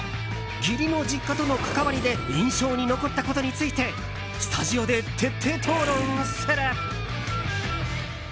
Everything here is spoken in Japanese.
義理の実家との関わりで印象に残ったことについてスタジオで徹底討論する。